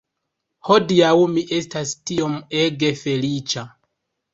Hodiaŭ mi estas tiom ege feliĉa